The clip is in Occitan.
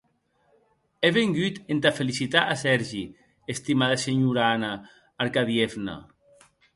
È vengut entà felicitar a Sergi, estimada senhora Anna Arkadievna.